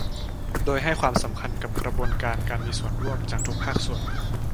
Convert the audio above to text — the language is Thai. โดยให้ความสำคัญกับกระบวนการมีส่วนร่วมจากทุกภาคส่วน